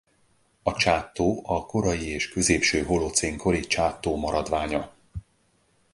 A Csád-tó a korai és középső holocén kori Csád-tó maradványa.